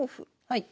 はい。